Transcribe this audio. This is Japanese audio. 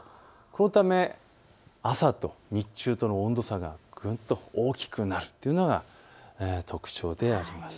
このため朝と日中の温度差がぐっと大きくなるというのが特徴であります。